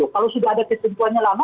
kalau sudah ada ketentuannya lama